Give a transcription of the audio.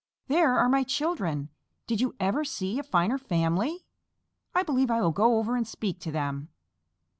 There are my children! Did you ever see a finer family? I believe I will go over and speak to them."